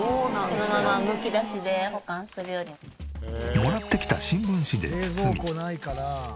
もらってきた新聞紙で包み。